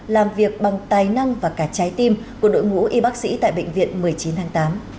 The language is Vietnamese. làm việc bằng tài năng và cả trái tim của đội ngũ y bác sĩ tại bệnh viện một mươi chín tháng tám